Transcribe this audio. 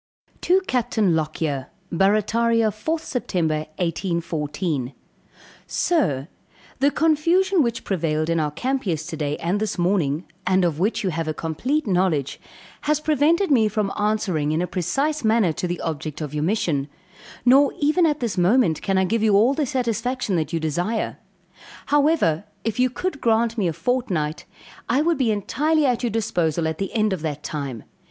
To CAPTAIN LOCKYER. Barrataria, 4th Sept. 1814. Sir The confusion which prevailed in our camp yesterday and this morning, and of which you have a complete knowledge, has prevented me from answering in a precise manner to the object of your mission; nor even at this moment can I give you all the satisfaction that you desire; however, if you could grant me a fortnight, I would be entirely at your disposal at the end of that time.